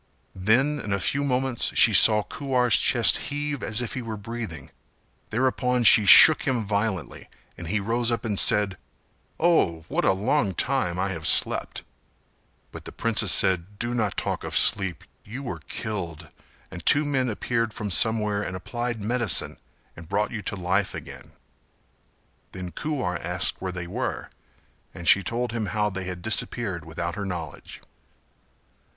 Then in a few moments she saw Kuwar's chest heave as if he were breathing; thereupon she shook him violently and he rose up and said "Oh, what a long time I have slept," but the princess said "Do not talk of sleep; you were killed and two men appeared from somewhere and applied medicine and brought you to life again;" then Kuwar asked where they were and she told him how they had disappeared without her knowledge.